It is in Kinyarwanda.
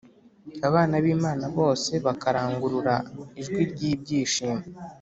abana b’imana bose bakarangurura ijwi ry’ibyishimo